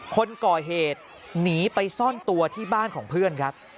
คนก่อเหตุหนีไปซ่อนตัวที่บ้านของเพื่อนครับ